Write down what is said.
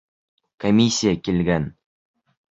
Комиссия килгән.